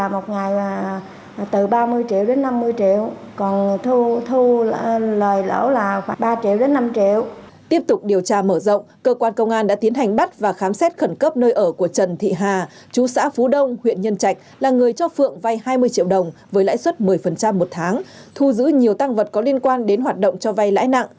mở rộng điều tra cơ quan công an đã tiến hành bắt và khám xét khẩn cấp nơi ở của trần thị hà chú xã phú đông huyện nhân trạch là người cho phượng vay hai mươi triệu đồng với lãi suất một mươi một tháng thu giữ nhiều tăng vật có liên quan đến hoạt động cho vay lãi nặng